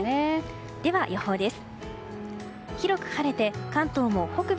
では、予報です。